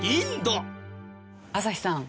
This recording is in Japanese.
朝日さん。